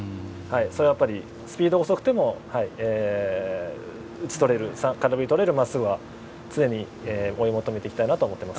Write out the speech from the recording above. それはやっぱりスピードが遅くても打ち取れる、空振りをとれるまっすぐは常に追い求めたいです。